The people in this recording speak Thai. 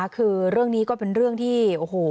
คือเรื่องนี้ก็เป็นเรื่องที่โอ้โห